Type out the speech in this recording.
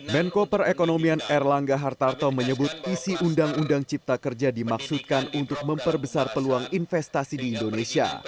menko perekonomian erlangga hartarto menyebut isi undang undang cipta kerja dimaksudkan untuk memperbesar peluang investasi di indonesia